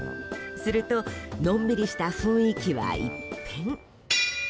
するとのんびりした雰囲気は一変。